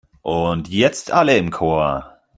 Und jetzt alle im Chor!